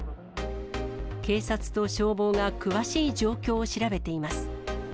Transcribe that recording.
警察と消防が詳しい状況を調べています。